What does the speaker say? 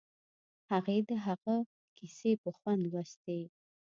هغې د هغه کیسې په خوند لوستې